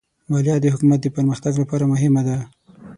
مالیه د حکومت د پرمختګ لپاره مهمه ده.